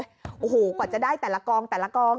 โอ้โหกว่าจะได้แต่ละกองแต่ละกอง